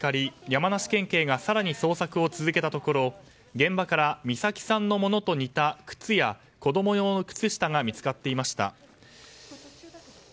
山梨県警が更に捜索を続けたところ現場から美咲さんのものと似た靴や、子供用の靴下が見つかっていました。